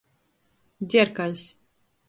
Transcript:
Dzerkaļs.